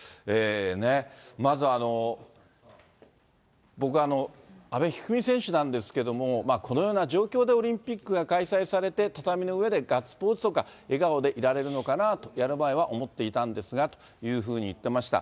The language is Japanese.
まず、僕は阿部一二三選手なんですけれども、このような状況でオリンピックが開催されて、畳の上でガッツポーズとか、笑顔でいられるのかなと、やる前は思っていたんですがというふうに言ってました。